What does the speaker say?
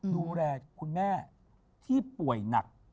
ดูแลคุณแม่ที่ป่วยหนัก